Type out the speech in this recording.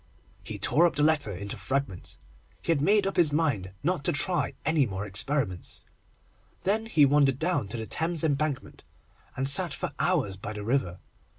He tore the letter up into fragments. He had made up his mind not to try any more experiments. Then he wandered down to the Thames Embankment, and sat for hours by the river.